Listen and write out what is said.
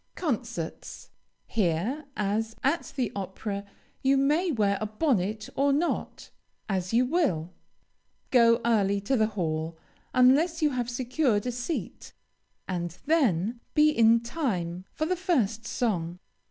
CONCERTS Here, as at the opera, you may wear a bonnet or not, as you will. Go early to the hall, unless you have secured a seat, and then, be in time for the first song.